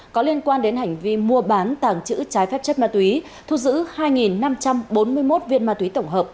có liên quan đến hành vi mua bán tàng trữ trái phép chất ma túy thu giữ hai năm trăm bốn mươi một viên ma túy tổng hợp